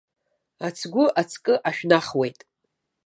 Ацгәы аҵкы ашәнахуеит.